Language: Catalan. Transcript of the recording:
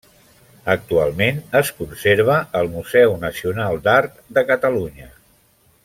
Actualment es conserva al Museu Nacional d'Art de Catalunya.